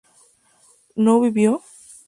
¿no vivió?